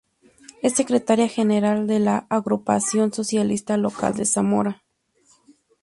Es secretaria general de la agrupación socialista local de Zamora.